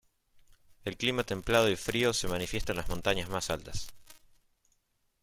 El clima templado y frío se manifiesta en las montañas más altas.